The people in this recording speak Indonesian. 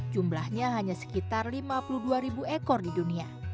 jumlahnya hanya sekitar lima puluh dua ribu ekor di dunia